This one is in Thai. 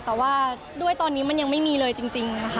แต่ว่าด้วยตอนนี้มันยังไม่มีเลยจริงนะคะ